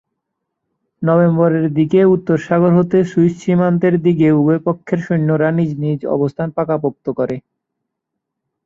নভেম্বরের দিকে উত্তর সাগর হতে সুইস সীমান্তের দিকে উভয়পক্ষের সৈন্যরা তাদের নিজ নিজ অবস্থান পাকাপোক্ত করে।